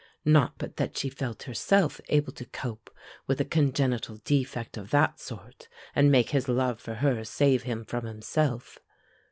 Not but that she felt herself able to cope with a congenital defect of that sort, and make his love for her save him from himself.